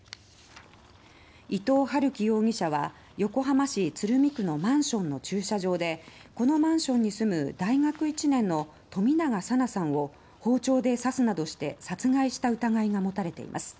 伊藤龍稀容疑者は横浜市鶴見区のマンションの駐車場でこのマンションに住む大学１年の冨永紗菜さんを包丁で刺すなどして殺害した疑いが持たれています。